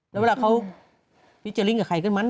แล้วเวลาเขาวิจารณ์กับใครก็มัน